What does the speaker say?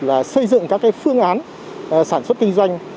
là xây dựng các phương án sản xuất kinh doanh